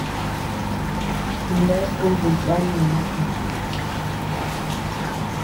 Bea obe yana ñeʼen.